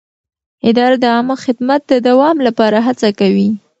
اداره د عامه خدمت د دوام لپاره هڅه کوي.